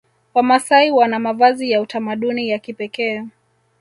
Wamasai Wana mavazi ya utamaduni ya kipekee